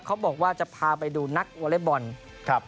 เขาบอกว่าจะพาไปดูนักวอเล็กบอลครับ